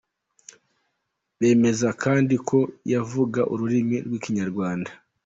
Bemeza kandi ko yavuga ururimi rw'ikinyarwanda.